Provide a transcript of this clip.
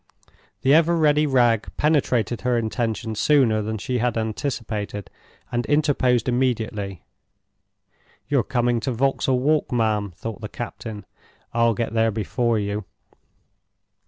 The ever ready Wragge penetrated her intention sooner than she had anticipated, and interposed immediately. "You're coming to Vauxhall Walk, ma'am," thought the captain; "I'll get there before you."